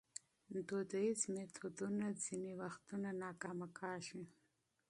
دودیز میتودونه ځینې وختونه ناکامه کېږي.